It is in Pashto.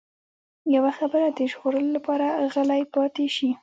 يوه خبره د ژغورلو لپاره غلی پاتې شي.